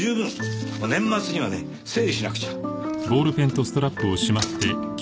年末にはね整理しなくちゃ。